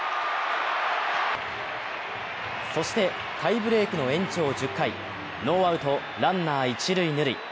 そしてタイブレークの延長１０回、ノーアウトランナー、一・二塁。